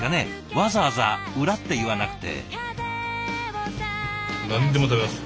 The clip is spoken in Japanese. わざわざ裏っていわなくて。